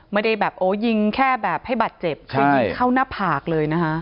ไม่ได้แบบโอ้ยิงแค่แบบให้บาดเจ็บก็ยิงเข้าหน้าผากเลยนะคะ